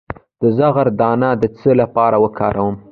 د زغر دانه د څه لپاره وکاروم؟